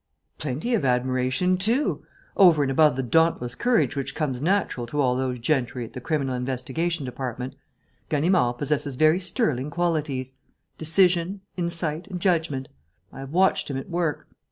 "Plenty of admiration too. Over and above the dauntless courage which comes natural to all those gentry at the Criminal Investigation Department, Ganimard possesses very sterling qualities: decision, insight and judgment. I have watched him at work.